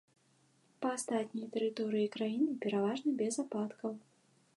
Па астатняй тэрыторыі краіны пераважна без ападкаў.